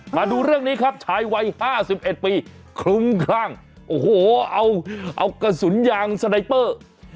มาดูเรื่องนี้ครับชายวัยห้าสิบเอ็ดปีคลุ้มข้างโอ้โหเอากระสุนยางสไนเปอร์